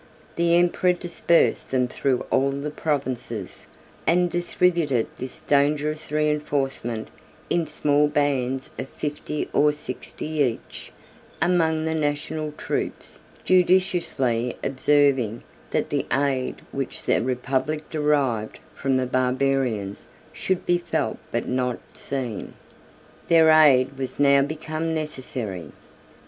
The emperor dispersed them through all the provinces, and distributed this dangerous reënforcement, in small bands of fifty or sixty each, among the national troops; judiciously observing, that the aid which the republic derived from the barbarians should be felt but not seen. 45 Their aid was now become necessary.